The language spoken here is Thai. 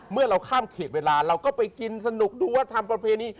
เมื่อเราข้ามเขตเวลาเราก็ไปกินสนุกดูวัฒนธรรมประเพณี